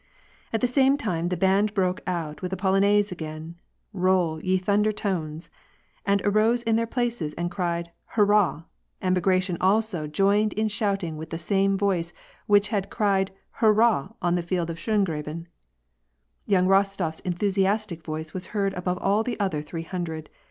At the same time, the band broke oat with the polonaise again :" Roll, ye thunder tones." All arose in their places and cried, " hurrah," and Bagration also joined in shouting with the same voice which had cried " hur rah " on the field of Schongraben.. Young RostoFs enthusiastic voice was heard above all the other three hundred.